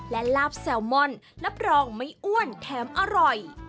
และลาบแซลมอนรับรองไม่อ้วนแถมอร่อย